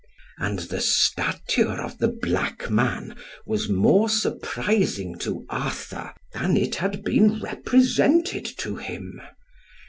And the stature of the black man was more surprising to Arthur, than it had been represented to him.